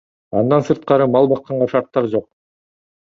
Андан сырткары мал бакканга шарттар жок.